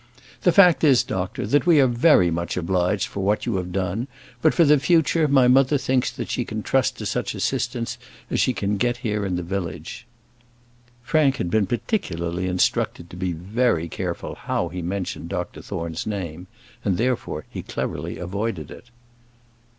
"The fact is, doctor, that we are very much obliged for what you have done; but, for the future, my mother thinks she can trust to such assistance as she can get here in the village." Frank had been particularly instructed to be very careful how he mentioned Dr Thorne's name, and, therefore, cleverly avoided it.